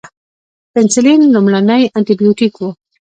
پنسلین لومړنی انټي بیوټیک و